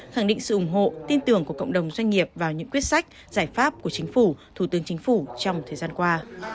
khẳng định sự ủng hộ tin tưởng của cộng đồng doanh nghiệp vào những quyết sách giải pháp của chính phủ thủ tướng chính phủ trong thời gian qua